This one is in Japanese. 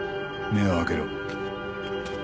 目を開けろ。